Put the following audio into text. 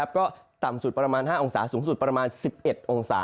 ก็ต่ำสุดประมาณ๕องศาสูงสุดประมาณ๑๑องศา